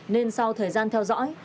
nên sau thời gian theo dõi